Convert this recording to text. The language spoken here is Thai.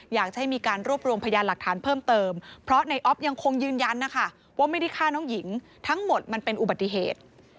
อยากให้มีการรวบรวมพยานหลักฐานเพิ่มเติมเพราะในออฟยังคงยืนยันนะคะว่าไม่ได้ฆ่าน้องหญิงทั้งหมดมันเป็นอุบัติเหตุ